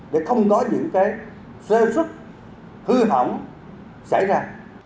để không có những xeo sức hư hỏng xảy ra